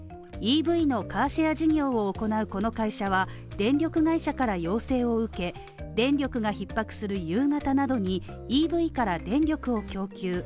ＥＶのカーシェア事業を行うこの会社は電力会社から要請を受け、電力がひっ迫する夕方などにＥＶから電力を供給。